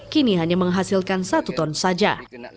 kini hanya menghasilkan satu ton saja